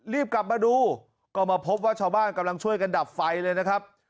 รีบกลับมาดูก็มาพบว่าชาวบ้านกำลังช่วยกันดับไฟเลยนะครับ